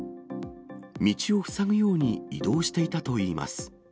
道を塞ぐように移動していたといいます。